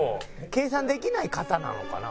「計算できない方なのかな？」